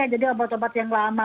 jadi obat obat yang lama